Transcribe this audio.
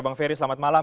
bang ferry selamat malam